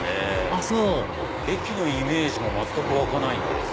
あっそう駅のイメージも全く湧かないんで。